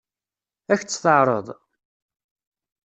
Ad k-tt-teɛṛeḍ?